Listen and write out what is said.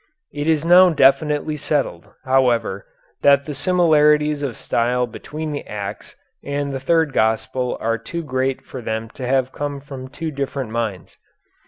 It is now definitely settled, however, that the similarities of style between the Acts and the third gospel are too great for them to have come from two different minds.